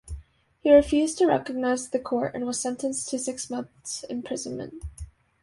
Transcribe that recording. He refused to recognise the court, and was sentenced to six months imprisonment.